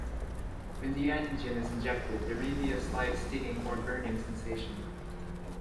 When the antigen is injected, there may be a slight stinging or burning sensation.